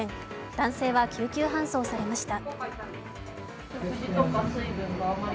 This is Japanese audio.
男性は救急搬送されました。